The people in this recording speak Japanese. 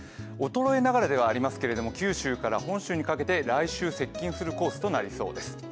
衰えながらではありますけれども、本州から九州にかけて来週接近するコースとなりそうです。